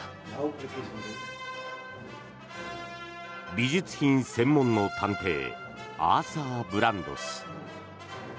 美術品専門の探偵アーサー・ブランド氏。